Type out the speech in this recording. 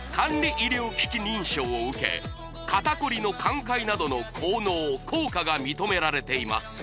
医療機器認証を受け肩こりの緩解などの効能効果が認められています